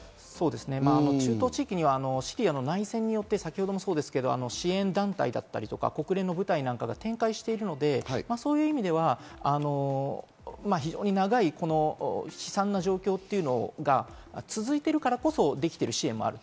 中東地域にはシリアの内戦によって支援団体や国連の部隊などが展開しているので、そういう意味では非常に長い、悲惨な状況が続いているからこそ、できている支援もあると。